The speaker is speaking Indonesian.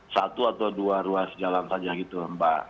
satu atau dua ruas jalan saja gitu mbak